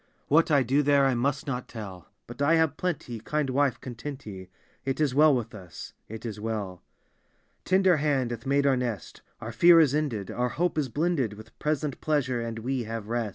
—" What I do there I must not tell, But I have plenty — kind wife, content ye: It is well with us: it is well. "Tender hand hath made our nest; Our fear is ended; our hope is blended With present pleasure, and we have rest."